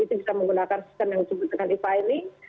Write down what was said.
itu bisa menggunakan sistem yang disebut dengan e filing